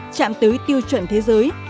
chạm tới tiêu chuẩn thế giới